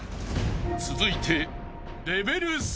［続いて］